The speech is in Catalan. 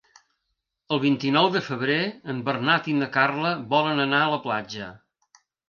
El vint-i-nou de febrer en Bernat i na Carla volen anar a la platja.